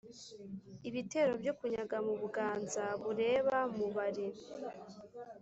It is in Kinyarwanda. ibitero byo kunyaga mu buganza bureba mubari.